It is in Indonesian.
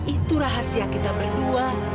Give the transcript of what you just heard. itu rahasia kita berdua